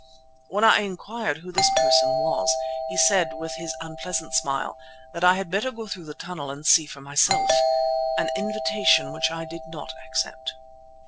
When I inquired who this person was he said with his unpleasant smile that I had better go through the tunnel and see for myself, an invitation which I did not accept.